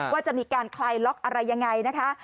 ว่าจะมีการคลายล็อกอะไรยังไงนะคะ